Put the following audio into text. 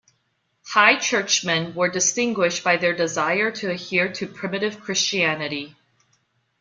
High Churchmen were distinguished by their desire to adhere to primitive Christianity.